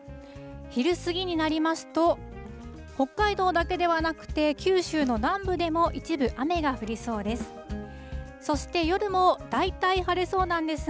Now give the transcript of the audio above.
昼過ぎになりますと、北海道だけではなくて、九州の南部でも一部雨が降りそうです。